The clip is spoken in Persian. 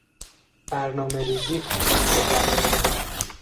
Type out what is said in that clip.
برنامهریزی کوتاه مدت